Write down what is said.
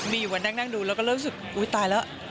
มีอยู่วันนั่งดูแล้วก็เริ่มรู้สึกอุ๊ยตายแล้ว